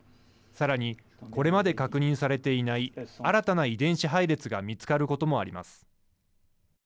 さらにこれまで確認されていない新たな遺伝子配列が見つかることもあります。